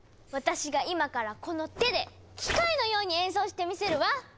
私が今からこの手で機械のように演奏してみせるわ！